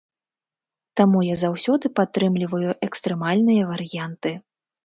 Таму я заўсёды падтрымліваю экстрэмальныя варыянты.